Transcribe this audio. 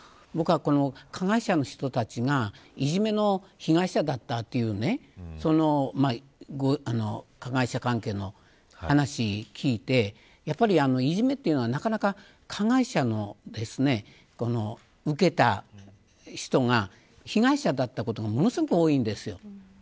加害者の人たちがいじめの被害者だったという加害者関係の話を聞いてやっぱり、いじめというのはなかなか加害者の人が被害者だったことが多いんです。